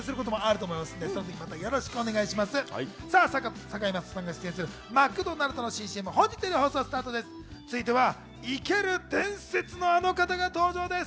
堺雅人さんが出演するマクドナルドの新ＣＭは本日より放送スタートです。